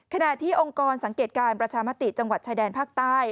ขณะที่องค์กรสังเกตการประชามติจังหวัดชายแดนภาคใต้